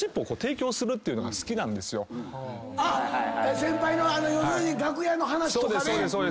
先輩の要するに楽屋の話とかで。